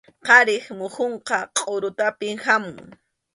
Qharip muhunqa qʼurutanpi hamun.